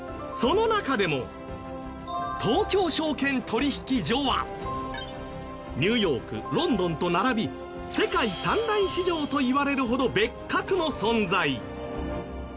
その中でも東京証券取引所はニューヨークロンドンと並び世界三大市場といわれるほど別格の存在。